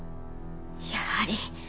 やはり。